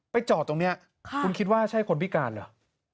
จอดตรงนี้คุณคิดว่าใช่คนพิการเหรอ